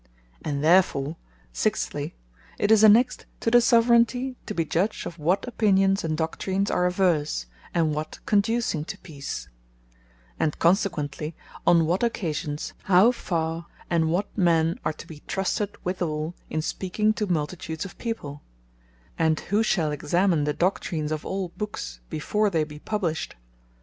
And therefore, And Judge Of What Doctrines Are Fit To Be Taught Them Sixtly, it is annexed to the Soveraignty, to be Judge of what Opinions and Doctrines are averse, and what conducing to Peace; and consequently, on what occasions, how farre, and what, men are to be trusted withall, in speaking to Multitudes of people; and who shall examine the Doctrines of all bookes before they be published.